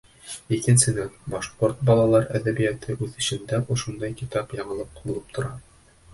Икенсенән, башҡорт балалар әҙәбиәте үҫешендә ошондай китап яңылыҡ булып тора.